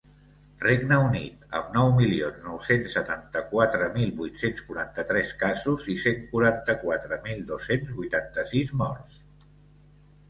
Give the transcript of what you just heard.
Regne Unit, amb nou milions nou-cents setanta-quatre mil vuit-cents quaranta-tres casos i cent quaranta-quatre mil dos-cents vuitanta-sis morts.